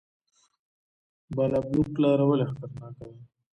بالابلوک لاره ولې خطرناکه ده؟